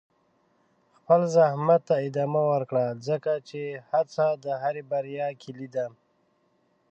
خپل زحمت ته ادامه ورکړه، ځکه چې هڅه د هرې بریا کلي ده.